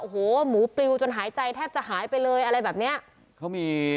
โอ้โหหมูปลิวจนหายใจแทบจะหายไปเลยอะไรแบบเนี้ยเขามี